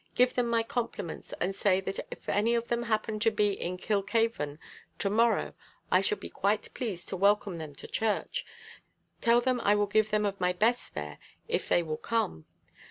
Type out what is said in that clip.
Give them my compliments, and say that if any of them happen to be in Kilkhaven tomorrow, I shall be quite pleased to welcome them to church. Tell them I will give them of my best there if they will come.